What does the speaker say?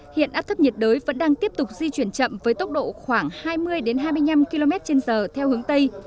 hiện áp thấp nhiệt đới vẫn đang tiếp tục di chuyển chậm với tốc độ khoảng hai mươi hai mươi năm kmh theo hướng tây